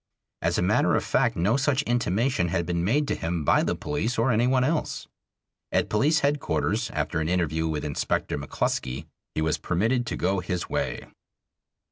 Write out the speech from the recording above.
As a matter of fact no such intimation had been made to him by the police or anyone else. At Police Headquarters after an interview with Inspector McClusky he was permitted to go his way.